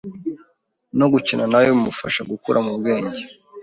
no gukina nawe bimufasha gukura mu bwenge.